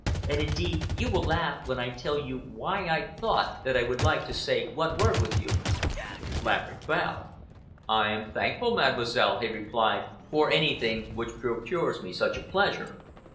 And indeed you will laugh when I tell you why I thought that I would like to say one word with you." Laverick bowed. "I am thankful, Mademoiselle," he replied, "for anything which procures me such a pleasure."